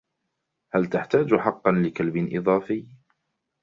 هل تحتاج حقا لكلب إضافي؟